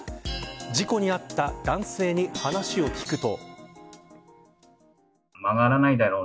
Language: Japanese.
事故に遭った男性に話を聞くと。